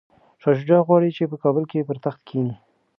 شاه شجاع غواړي چي په کابل کي پر تخت کښیني.